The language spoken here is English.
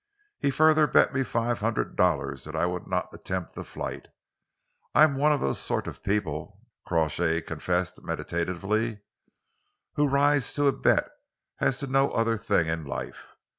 He further bet me five hundred dollars that I would not attempt the flight. I am one of those sort of people," Crawshay confessed meditatively, "who rise to a bet as to no other thing in life.